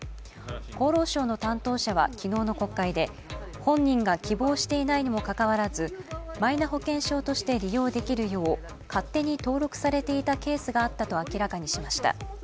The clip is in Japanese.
厚労省の担当者は昨日の国会で本人が希望していないにもかかわらずマイナ保険証として利用できるよう勝手に登録されていたケースがあったと明らかにしました。